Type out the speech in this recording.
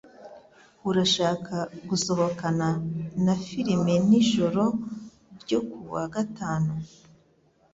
Urashaka gusohokana na firime nijoro ryo kuwa gatanu